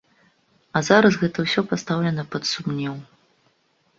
А зараз гэта ўсё пастаўлена пад сумнеў.